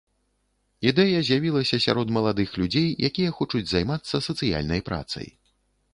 Ідэя з'явілася сярод маладых людзей, якія хочуць займацца сацыяльнай працай.